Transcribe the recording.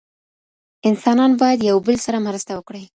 انسانان بايد يو بل سره مرسته وکړي.